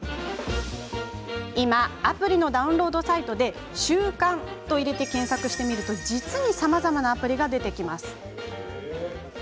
今、アプリのダウンロードサイトで「習慣」と検索してみると実にさまざまなアプリが出てきます。